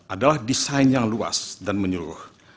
adalah desain yang luas dan menyeluruh